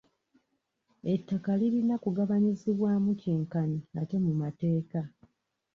Ettaka lirina okugabanyizibwamu kyenkanyi ate mu mateeka.